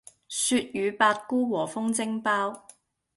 鱈魚百菇和風蒸包